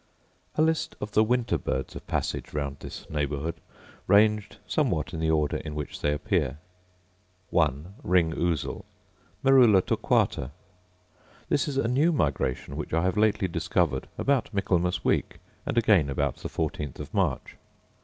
A List of the Winter Birds of Passage round this neighbourhood, ranged somewhat in the order in which they appear: 1. Ring ousel, Raii nomina: Merula torquata: This is a new migration which I have lately discovered about Michaelmas week, and again about the fourteenth of March.